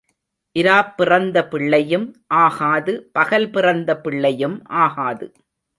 இராப் பிறந்த பிள்ளையும் ஆகாது பகல் பிறந்த பிள்ளையும் ஆகாது.